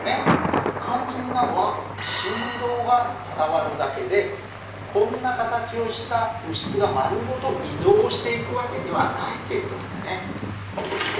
肝心なのは振動が伝わるだけでこんな形をした物質が丸ごと移動をしていくわけではないという事なんだね。